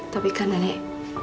tapi kan nenek